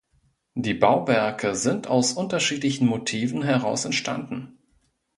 Die Bauwerke sind aus unterschiedlichen Motiven heraus entstanden.